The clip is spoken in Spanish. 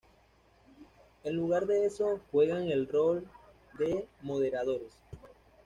En lugar de eso, juegan el rol de moderadores.